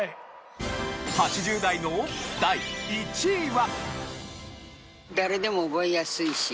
８０代の第１位は。